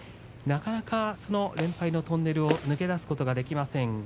なかなかその連敗のトンネルを抜け出すことができません。